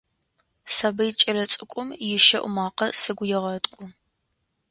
Сабый кӏэлэцӏыкӏум ищэӏу макъэ сыгу егъэткӏу.